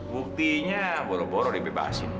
buktinya boro boro dibebasin